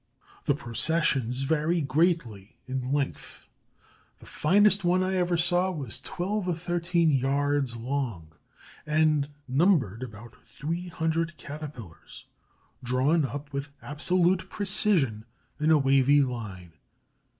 The processions vary greatly in length. The finest one I ever saw was twelve or thirteen yards long and numbered about three hundred Caterpillars, drawn up with absolute precision in a wavy line.